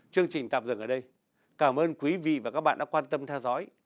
chương trình tạm dừng ở đây cảm ơn quý vị và các bạn đã quan tâm theo dõi